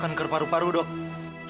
kanker bapak sudah di stadium akhir